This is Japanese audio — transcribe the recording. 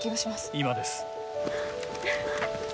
今です。